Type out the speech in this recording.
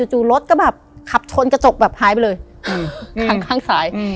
จู่รถก็แบบขับชนกระจกแบบหายไปเลยข้างข้างซ้าย